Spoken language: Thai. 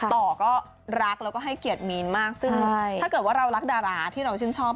ต่อก็รักแล้วก็ให้เกียรติมีนมากซึ่งถ้าเกิดว่าเรารักดาราที่เราชื่นชอบ